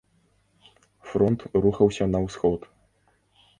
Фронт рухаўся на ўсход.